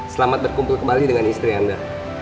selamat berkumpul kembali dengan istri anda